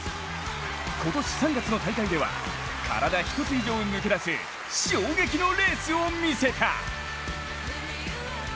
今年３月の大会では体一つ以上抜け出す衝撃のレースを見せた。